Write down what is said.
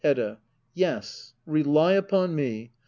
Hbdda. Yes, rely upon me.